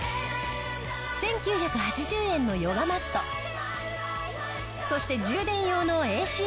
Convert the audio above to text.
１９８０円のヨガマットそして充電用のＡＣアダプターが